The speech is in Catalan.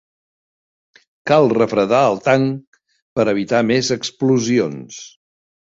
Cal refredar el tanc per evitar més explosions.